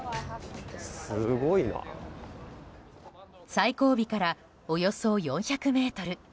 最後尾からおよそ４００ｍ。